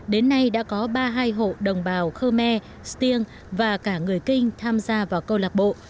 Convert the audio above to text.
đến nay đã có ba mươi hai hộ đồng bào khơ me stiêng và cả người kinh tham gia vào câu lạc bộ